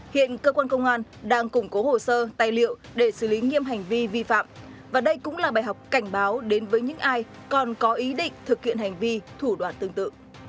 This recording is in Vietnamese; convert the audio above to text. hiện cơ quan công an đang củng cố hồ sơ tài liệu để xử lý nghiêm hành vi vi phạm và đây cũng là bài học cảnh báo đến với những ai còn có ý định thực hiện hành vi thủ đoàn tương tự